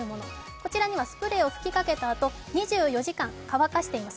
こちらにはスプレーを吹きかけたあと２４時間乾かしています。